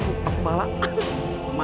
pikirkan kamu mengabdi pada ni mas